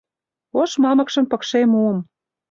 Ош мамыкшым пыкше муым...